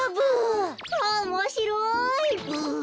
おもしろいブ。